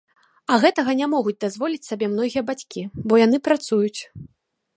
А гэтага не могуць дазволіць сабе многія бацькі, бо яны працуюць.